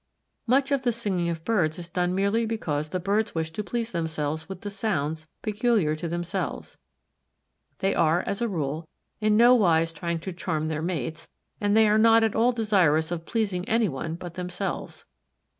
Much of the singing of birds is done merely because the birds wish to please themselves with the sounds peculiar to themselves. They are, as a rule, in no wise trying to charm their mates, and they are not at all desirous of pleasing anyone but themselves.